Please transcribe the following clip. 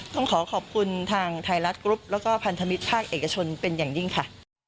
ต้องขอขอบคุณทางไทยรัฐกรุ๊ปแล้วก็พันธมิตรภาคเอกชนเป็นอย่างยิ่งค่ะ